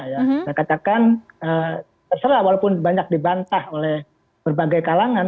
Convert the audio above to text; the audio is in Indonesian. saya katakan terserah walaupun banyak dibantah oleh berbagai kalangan